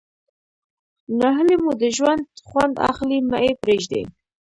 ناهلي مو د ژوند خوند اخلي مه ئې پرېږدئ.